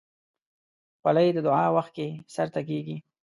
خولۍ د دعا وخت کې سر ته کېږي.